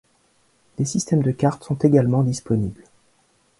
Des systèmes de cartes sont également disponibles.